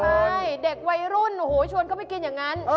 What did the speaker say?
ใช่เด็กวัยรุ่นโอ้โหชวนเข้าไปกินอย่างนั้น